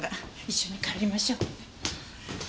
一緒に帰りましょう。